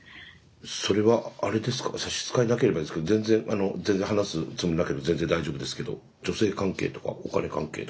それはあれですか差し支えなければですけど全然あの全然話すつもりなければ全然大丈夫ですけど女性関係とかお金関係とか。